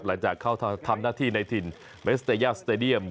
หลังจากเข้าทำหน้าที่ในถิ่นเมสเตย่าสเตดียม